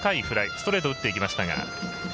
ストレート打っていきましたが。